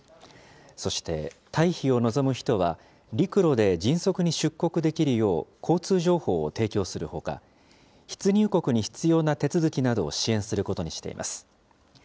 そして、退避を望む人は、陸路で迅速に出国できるよう、交通情報を提供するほか、出入国に必要な手続きなどを支援することにしています。